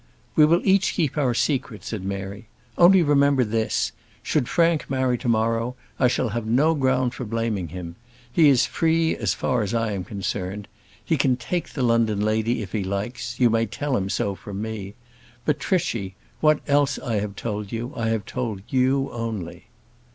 "We will each keep our secret," said Mary. "Only remember this: should Frank marry to morrow, I shall have no ground for blaming him. He is free as far I as am concerned. He can take the London lady if he likes. You may tell him so from me. But, Trichy, what else I have told you, I have told you only."